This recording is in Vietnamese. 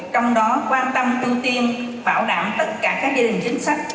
trong đó quan tâm tư tiên bảo đảm tất cả các gia đình chính sách